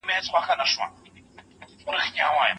تاسو باید په خپلو کارونو کي تل احتیاط وکړئ.